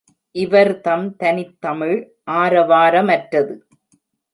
இவர்தம் தனித் தமிழ் ஆரவாரமற்றது.